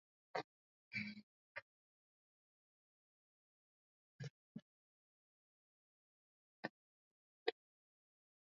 vinyao ambao wazungu hununua